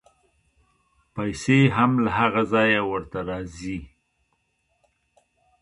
پیسې هم له هغه ځایه ورته راځي.